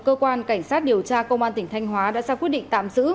các điều tra công an tỉnh thanh hóa đã ra quyết định tạm giữ